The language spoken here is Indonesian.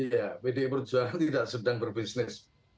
iya pdi perjuangan tidak sedang berbisnis